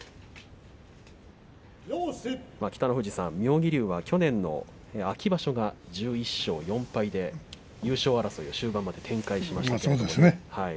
北の富士さん、妙義龍は去年の秋場所が１１勝４敗で優勝争いを終盤まで展開しました。